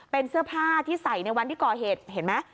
เป็นเสื้อผ้าที่ใส่ในวันที่ก่อเหตุเห็นไหม